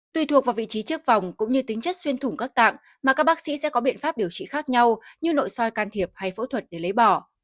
tùy thuộc vào vị trí trước vòng cũng như tính chất xuyên thủng các tạng mà các bác sĩ sẽ có biện pháp điều trị khác nhau như nội soi can thiệp hay phẫu thuật để lấy bỏ